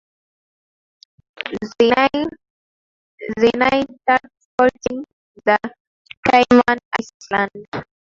zinaita tax faulting za cayman islands